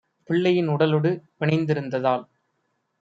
பிள்ளையின் உடலொடு பிணைந்தி ருந்ததால்